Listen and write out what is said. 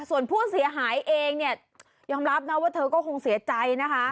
ส่วนผู้เสียหายเองเนี่ยยอมรับนะว่าเธอก็คงเสียใจนะคะ